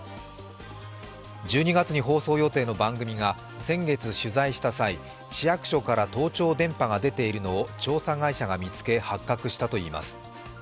１２月に放送予定の番組が先月取材した際、市役所から盗聴電波が出ているのを調査会社が見つけ、発覚したといいます。